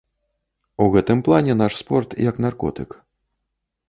У гэтым плане наш спорт як наркотык.